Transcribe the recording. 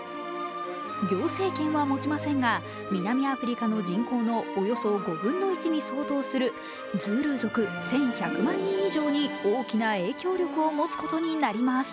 行政権は持ちませんが、南アフリカの人口のおよそ５分の１に相当するズールー族１１００万人以上に大きな影響力を持つことになります。